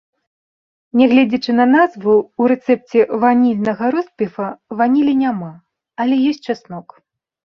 Нягледзячы на назву, у рэцэпце ванільнага ростбіфа ванілі няма, але ёсць часнок.